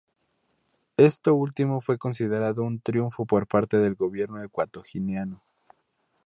Esto último fue considerado un triunfo por parte del gobierno ecuatoguineano.